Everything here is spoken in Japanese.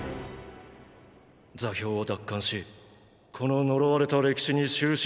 座標を奪還しこの呪われた歴史に終止符を打つ。